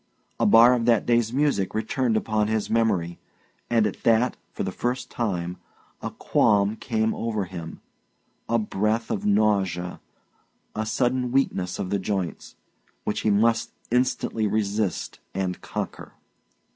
A bar of that day's music returned upon his memory; and at that, for the first time, a qualm came over him, a breath of nausea, a sudden weakness of the joints, which he must instantly resist and conquer.